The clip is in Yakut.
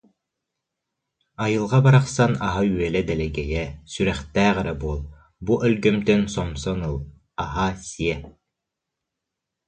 Айылҕа барахсан аһа-үөлэ дэлэгэйэ, сүрэхтээх эрэ буол, бу өлгөмтөн сомсон ыл, аһаа-сиэ